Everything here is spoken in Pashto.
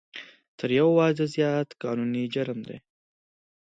تر یو واده زیات قانوني جرم دی